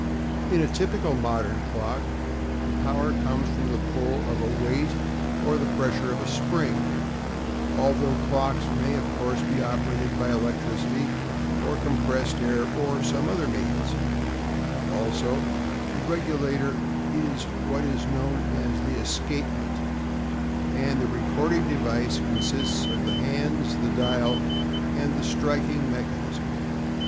In a typical modern clock the power comes from the pull of a weight or the pressure of a spring—although clocks may, of course, be operated by electricity or compressed air or some other means; also, the regulator is what is known as the "escapement" and the recording device consists of the hands, the dial, and the striking mechanism.